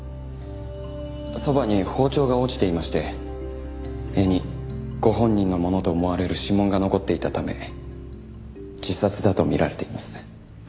そばに包丁が落ちていまして柄にご本人のものと思われる指紋が残っていたため自殺だと見られています。